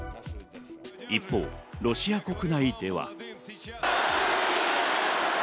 一方、ロシア国内では。